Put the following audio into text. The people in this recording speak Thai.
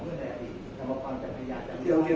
เพื่อนคุณเพลินใจ